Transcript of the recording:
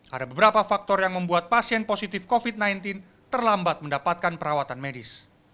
ada beberapa faktor yang membuat pasien positif covid sembilan belas terlambat mendapatkan perawatan medis